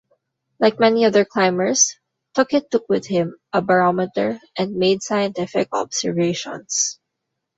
Like many other climbers, Tuckett took with him a barometer and made scientific observations.